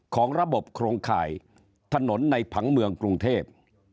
ของระบบโครงข่ายถนนในผังเมืองกรุงเทพ